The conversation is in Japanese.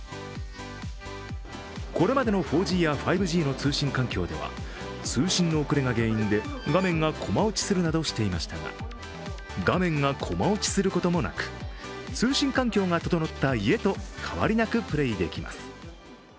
これまでの４Ｇや５Ｇの通信環境ではオンラインなどのゲームをすると画面がコマ落ちするなどしていましたが画面がコマ落ちすることもなく通信環境が整った家と変わりなくプレーできます。